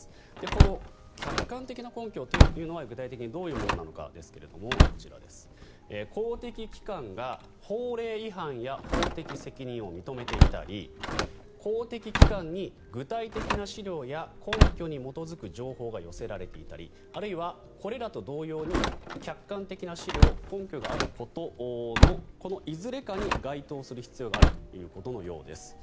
この客観的な根拠というのは具体的にどういうものかということですがこちら、公的機関が法令違反や法的責任を認めていたり公的機関に具体的な資料や根拠に基づく情報が寄せられていたりあるいはこれらと同様に客観的な資料、根拠があることのこのいずれかに該当する必要があることのようです。